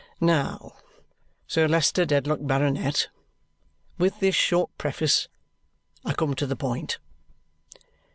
"Now, Sir Leicester Dedlock, Baronet, with this short preface I come to the point.